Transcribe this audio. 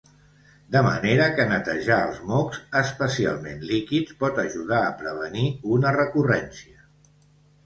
De manera que netejar els mocs, especialment líquids, pot ajudar a prevenir una recurrència.